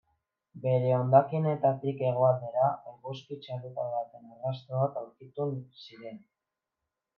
Bere hondakinetatik hegoaldera, eguzki txalupa baten arrastoak aurkitu ziren.